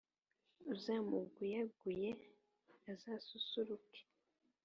Uzamuguyaguye, azasusurukeee